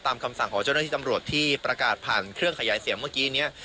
คำสั่งของเจ้าหน้าที่ตำรวจที่ประกาศผ่านเครื่องขยายเสียงเมื่อกี้นี้